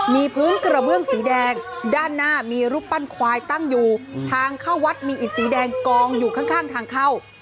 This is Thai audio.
มีพื้นกระเบื้องสีแดงด้านหน้ามีรูปปั้นควายตั้งอยู่ทางเข้าวัดมีอิดสีแดงกองอยู่ข้างทางเข้า